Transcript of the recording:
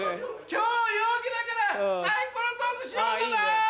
今日陽気だからサイコロトークしようかな！